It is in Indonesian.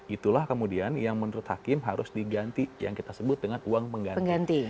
itulah kemudian yang menurut hakim harus diganti yang kita sebut dengan uang pengganti